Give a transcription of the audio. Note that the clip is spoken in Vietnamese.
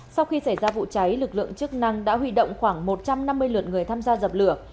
sau khi xảy ra vụ cháy lực lượng chức năng đã huy động khoảng một trăm năm mươi lượt người tham gia dập lửa